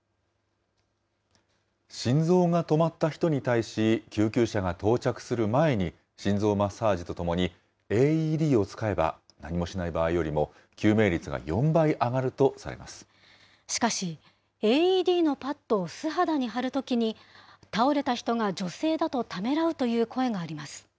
心臓が止まった人に対し、救急車が到着する前に心臓マッサージとともに、ＡＥＤを使えば、何もしない場合よりも救命率が４倍しかし、ＡＥＤのパッドを素肌に貼るときに倒れた人が女性だとためらうという声があります。